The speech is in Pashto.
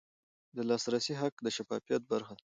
د لاسرسي حق د شفافیت برخه ده.